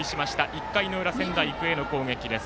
１回の裏、仙台育英の攻撃。